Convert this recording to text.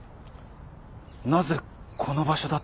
なぜこの場所だったのか。